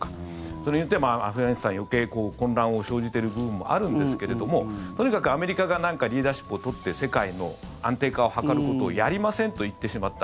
それによってアフガニスタン、余計、混乱を生じている部分もあるんですけどとにかくアメリカがなんかリーダーシップを取って世界の安定化を図ることをやりませんと言ってしまった。